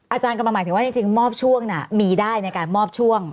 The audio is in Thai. อาจารย์กำลังหมายถึงว่าจริงมอบช่วงมีได้ในการมอบช่วง